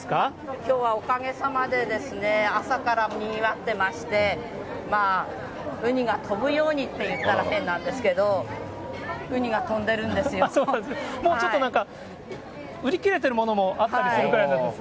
きょうはおかげさまで、朝からにぎわってまして、ウニが飛ぶようにって言ったら変なんですけど、ウニが飛んでるんもうちょっとなんか、売り切れてるものもあったりするぐらいなんです。